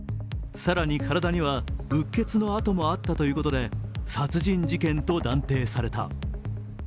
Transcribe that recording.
更に、体には鬱血のあともあったということで殺人事件と断定された。